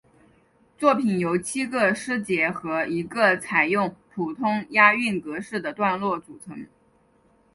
作品由七个诗节和一个采用普通押韵格式的段落组成。